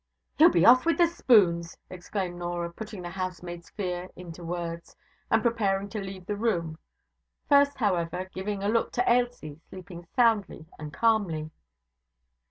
'He'll be off with the spoons!' exclaimed Norah, putting the housemaid's fear into words, and preparing to leave the room; first, however, giving a look to Ailsie, sleeping soundly and calmly.